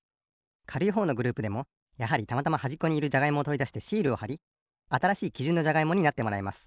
かるいほうのグループでもやはりたまたまはじっこにいるじゃがいもをとりだしてシールをはりあたらしいきじゅんのじゃがいもになってもらいます。